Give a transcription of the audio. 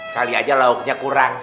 kali aja lauknya kurang